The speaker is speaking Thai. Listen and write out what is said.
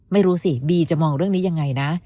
ไม่รู้สิบีจะมองเรื่องนี้ยังไงนะ